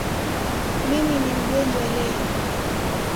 Mimi ni mgonjwa leo